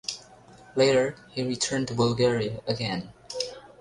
Later he returned to Bulgaria again.